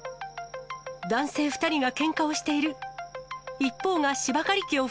男性２人がけんかをしている。